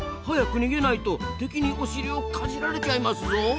早く逃げないと敵におしりをかじられちゃいますぞ。